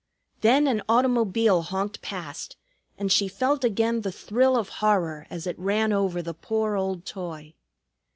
Then an automobile honked past, and she felt again the thrill of horror as it ran over the poor old toy.